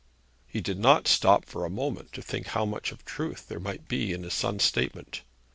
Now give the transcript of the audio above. He did not stop for a moment to think how much of truth there might be in his son's statement.